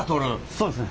そうですね。